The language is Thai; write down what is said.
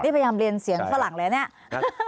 นี่พยายามเรียนเสียงฝรั่งเลยนี่